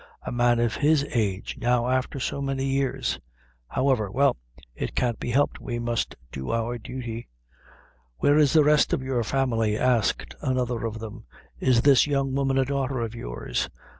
A man of his age, now afther so many years! However well it can't be helped; we must do our duty." "Where is the rest of your family?" asked another of them; "is this young woman a daughter of yours?"